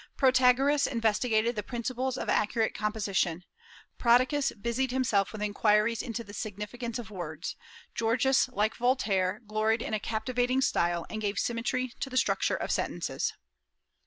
Protagoras investigated the principles of accurate composition; Prodicus busied himself with inquiries into the significance of words; Gorgias, like Voltaire, gloried in a captivating style, and gave symmetry to the structure of sentences.